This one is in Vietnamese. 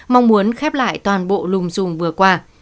mong muốn khép lại toàn bộ lùm dùm vừa qua